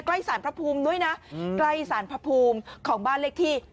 สารพระภูมิด้วยนะใกล้สารพระภูมิของบ้านเลขที่